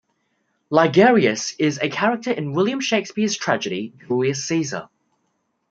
Ligarius is a character in William Shakespeare's tragedy "Julius Caesar".